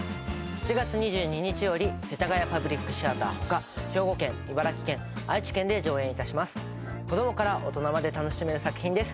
７月２２日より世田谷パブリックシアターほか兵庫県茨城県愛知県で上演いたします子どもから大人まで楽しめる作品です